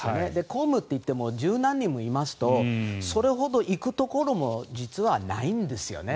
公務といっても１０何人もいますとそれほど行くところも実はないんですよね。